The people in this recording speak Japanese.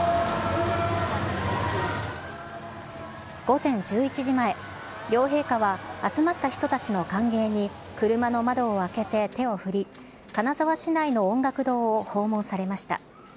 午前１１時前、両陛下は集まった人たちの歓迎に車の窓を開けて手を振り、金沢市内の音楽堂を訪問されました。